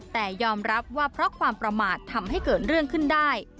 แต่ยอมรับว่าเพราะความประมาททำให้เกิดเรื่องขึ้นได้